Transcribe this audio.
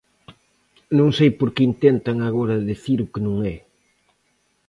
Non sei por que intentan agora dicir o que non é.